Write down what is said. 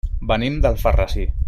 Venim d'Alfarrasí.